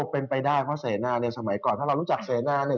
อ๋อเป็นไปได้เพราะเศรษฐนาธิ์ในสมัยก่อนถ้าเรารู้จักเศรษฐนาธิ์